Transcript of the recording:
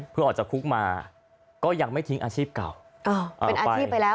เพื่อออกจากคุกมาก็ยังไม่ทิ้งอาชีพเก่า